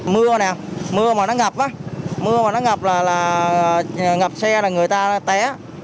mưa nào mưa mà nó ngập á mưa mà nó ngập là ngập xe là người ta té